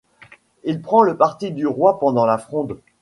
Il prend le parti du roi pendant la Fronde.